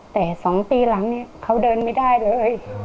แต่๒ปีหลังเนี่ยเขาเดินไม่ได้เลย